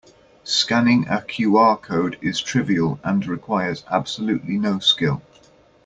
Scanning a QR code is trivial and requires absolutely no skill.